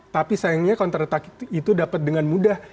tapi sayangnya counter attack itu dapat dengan mudah